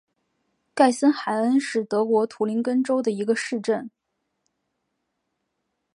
盖森海恩是德国图林根州的一个市镇。